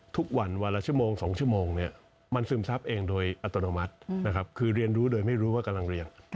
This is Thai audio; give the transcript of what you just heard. ทุกวันวันละชั่วโมง๒ชั่วโมงมันซึมซับเองโดยอัตโนมัตินะครับคือเรียนรู้โดยไม่รู้ว่ากำลังเรียน